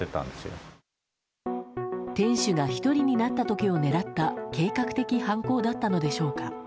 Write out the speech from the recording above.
店主が１人になった時を狙った計画的犯行だったのでしょうか。